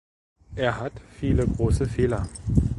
Er hat viele große Fehler.